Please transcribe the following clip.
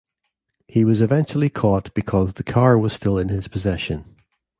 He was eventually caught because the car was still in his possession.